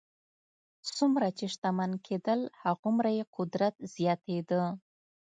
څومره چې شتمن کېدل هغومره یې قدرت زیاتېده.